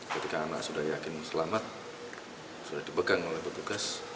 ketika anak sudah yakin selamat sudah dipegang oleh petugas